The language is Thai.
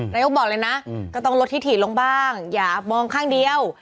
นายกบอกเลยนะก็ต้องลดที่ถี่ลงบ้างอย่ามองข้างเดียว